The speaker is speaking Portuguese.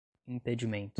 impedimento